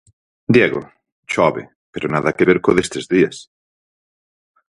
Diego, chove, pero nada que ver co destes días...